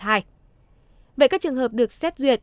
vậy các trường hợp được xét duyệt